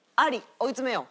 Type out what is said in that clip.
追い詰めよう。